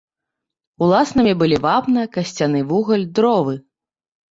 Уласнымі былі вапна, касцяны вугаль, дровы.